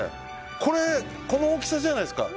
これ、この大きさじゃないですか。